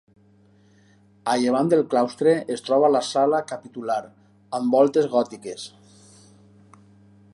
A llevant del claustre es troba la sala capitular, amb voltes gòtiques.